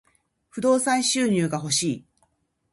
不動産収入が欲しい。